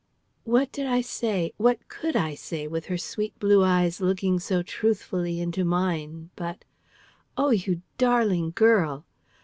What did I say what could I say, with her sweet blue eyes looking so truthfully into mine, but "Oh, you darling girl!"